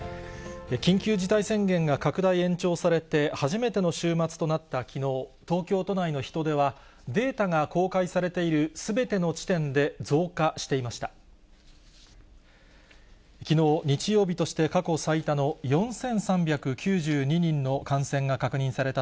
緊急事態宣言が拡大、延長されて初めての週末となったきのう、東京都内の人出は、データが公開されているすべての地点で増加していました。